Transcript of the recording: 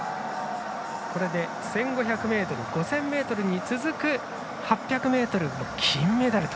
これで１５００ｍ５０００ｍに続く８００ｍも金メダルと。